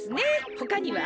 ほかには？